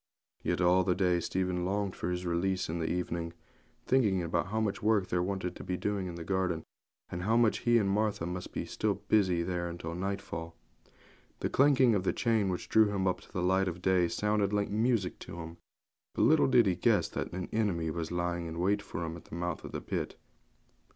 Yet all the day Stephen longed for his release in the evening, thinking how much work there wanted doing in the garden, and how he and Martha must be busy in it till nightfall. The clanking of the chain which drew him up to the light of day sounded like music to him; but little did he guess that an enemy was lying in wait for him at the mouth of the pit.